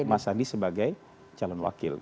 mas andi sebagai calon wakil